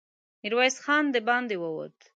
ميرويس خان د باندې ووت.